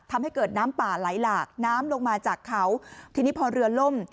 ทำให้เกิดน้ำป่าไหลหลากน้ำลงมาจากเขาทีนี้พอเรือล่ม